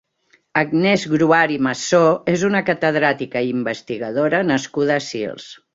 Agnès Gruart i Massó és una catedràtica i investigadora nascuda a Sils.